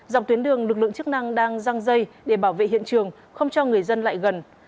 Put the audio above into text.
dọc tuyến đường lực lượng chức năng đang răng dây để bảo vệ hiện trường không cho người dân lại gần